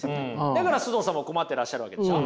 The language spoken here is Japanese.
だから須藤さんも困ってらっしゃるわけでしょ？